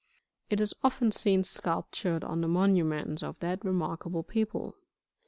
It is often seen sculptured on the monuments of that remarkable people.